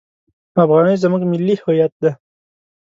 افغانۍ زموږ ملي هویت ده!